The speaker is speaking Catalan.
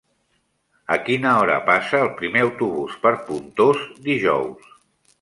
A quina hora passa el primer autobús per Pontós dijous?